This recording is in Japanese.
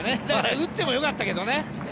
打ってもよかったけどね。